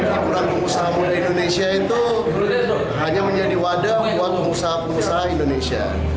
hiburan pengusaha muda indonesia itu hanya menjadi wadah buat pengusaha pengusaha indonesia